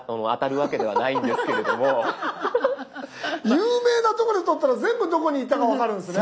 有名な所で撮ったら全部どこに行ったか分かるんですね。